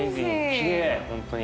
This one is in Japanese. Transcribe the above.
．きれい本当に。